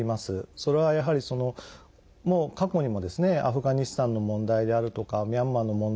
それは、やはり過去にもアフガニスタンの問題であるとかミャンマーの問題